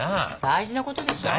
大事なことでしょ。